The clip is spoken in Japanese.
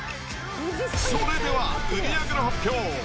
それでは売り上げの発表。